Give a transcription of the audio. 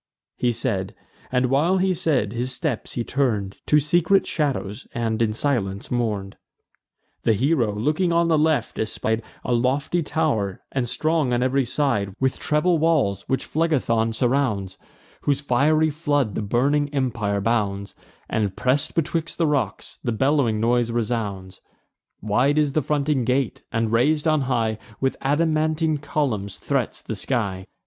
He said; and, while he said, his steps he turn'd To secret shadows, and in silence mourn'd. The hero, looking on the left, espied A lofty tow'r, and strong on ev'ry side With treble walls, which Phlegethon surrounds, Whose fiery flood the burning empire bounds; And, press'd betwixt the rocks, the bellowing noise resounds Wide is the fronting gate, and, rais'd on high With adamantine columns, threats the sky.